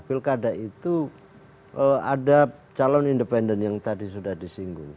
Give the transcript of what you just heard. pilkada itu ada calon independen yang tadi sudah disinggung